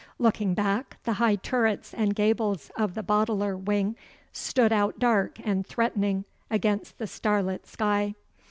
Looking back, the high turrets and gables of the Boteler wing stood out dark and threatening against the starlit sky.